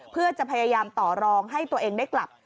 เพื่อจะพยายามต่อรองให้ตัวเองได้กลับ